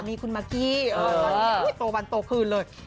อันนี้คุณมากี้ตัววันตัวคืนเลย